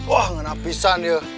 wah ngenapisan dia